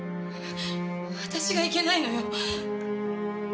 私がいけないのよ。